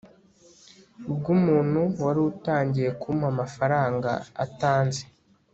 bwumuntu wari utangiye kumpa amafaranga atanzi